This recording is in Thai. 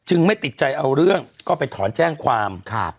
ไม่ติดใจเอาเรื่องก็ไปถอนแจ้งความ